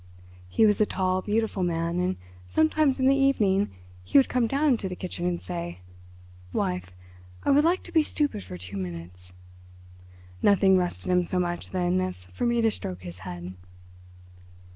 He was a tall, beautiful man, and sometimes in the evening he would come down into the kitchen and say: 'Wife, I would like to be stupid for two minutes.' Nothing rested him so much then as for me to stroke his head."